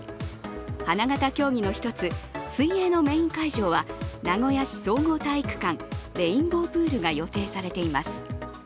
花形競技の一つ、水泳のメイン会場は名古屋市総合体育館レインボープールが予定されています。